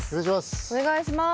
お願いします。